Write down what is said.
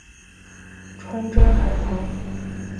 川滇海棠